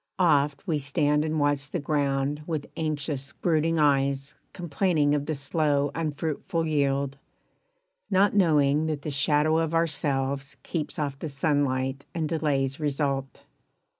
Oft we stand And watch the ground with anxious brooding eyes Complaining of the slow unfruitful yield, Not knowing that the shadow of ourselves Keeps off the sunlight and delays result.